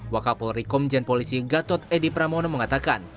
wakapol rikomjen polisi gatot edi pramono mengatakan